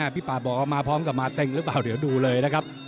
พี่ป่าบอกว่ามาพร้อมกับมาเต็งหรือเปล่าเดี๋ยวดูเลยนะครับ